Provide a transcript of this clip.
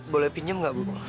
boleh pinjam gak bu